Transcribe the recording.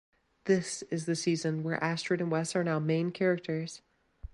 This is the season where Astrid and Wes are now main characters.